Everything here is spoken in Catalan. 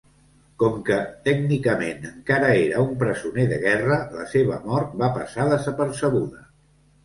Com que, tècnicament, encara era un presoner de guerra, la seva mort va passar desapercebuda.